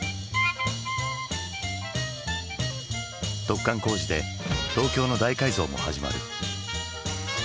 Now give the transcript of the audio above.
突貫工事で東京の大改造も始まる。